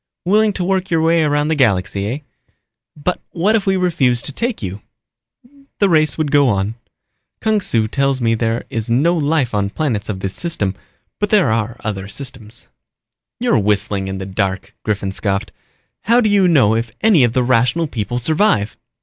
"Willing to work your way around the galaxy, eh? But what if we refused to take you?" "The race would go on. Kung Su tells me there is no life on planets of this system, but there are other systems." "You're whistling in the dark," Griffin scoffed. "How do you know if any of the Rational People survive?"